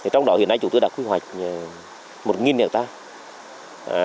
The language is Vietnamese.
trong đó hiện nay chúng tôi đã quy hoạch một hectare